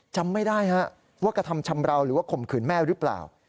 จำไม่ได้ว่ากระทำชำราวหรือว่าข่มขืนแม่หรือเปล่า